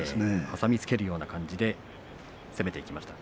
挟みつけるような感じで攻めていきました。